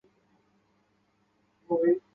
塑胶模型的开发以及贩售是由寿屋所进行的。